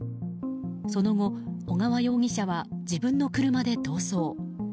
その後、小川容疑者は自分の車で逃走。